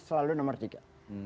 selalu nomor tiga